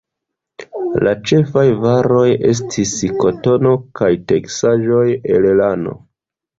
La ĉefaj varoj estis kotono kaj teksaĵoj el lano.